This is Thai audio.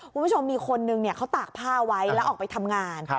คุณผู้ชมมีคนนึงเขาตากผ้าไว้แล้วออกไปทำงาน